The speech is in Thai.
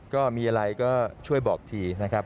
ก็มีอะไรก็ช่วยบอกทีนะครับ